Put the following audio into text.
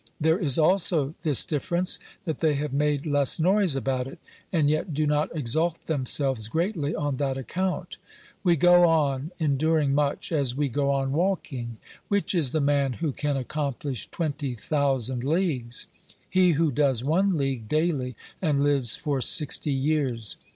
There is also this difference, that they have made less noise about it, and yet do not exalt themselves greatly on that account. We go on enduring much as we go on walking. Which is the man who can accomplish twenty thousand leagues? He who does one league daily and lives for sixty years.